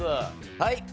はい。